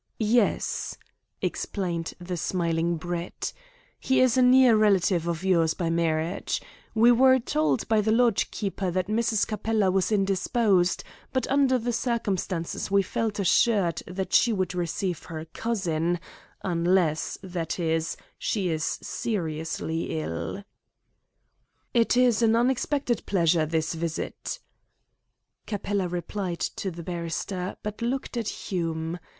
"Yes," explained the smiling Brett, "he is a near relative of yours by marriage. We were told by the lodge keeper that Mrs. Capella was indisposed, but under the circumstances we felt assured that she would receive her cousin unless, that is, she is seriously ill." "It is an unexpected pleasure, this visit." Capella replied to the barrister, but looked at Hume.